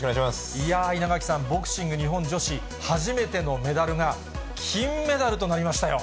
いやー、稲垣さん、ボクシング日本女子、初めてのメダルが金メダルとなりましたよ。